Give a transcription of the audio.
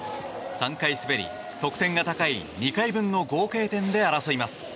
３回滑り、得点が高い２回分の合計点で争います。